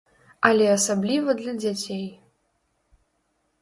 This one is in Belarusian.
Але асабліва для дзяцей.